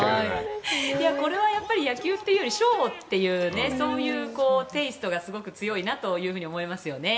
これは野球というよりショーというそういうテイストがすごく強いなと思いますよね。